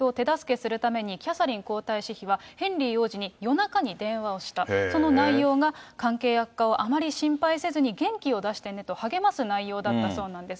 王室の関係修復を手助けするためにキャサリン皇太子妃はヘンリー王子に夜中に電話をした、その内容が関係悪化をあまり心配せずに元気を出してねと励ます内容だったそうなんです。